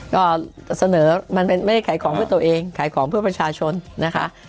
ก็เสนอมันไม่ได้ขายของเพื่อตัวเองขายของเพื่อประชาชนนะคะ